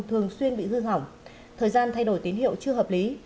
thường xuyên bị hư hỏng thời gian thay đổi tín hiệu chưa hợp lý